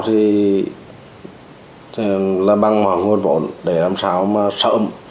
thì là bằng nguồn vốn để làm sao mà sợ ấm